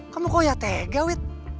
kamu kok ya tega wit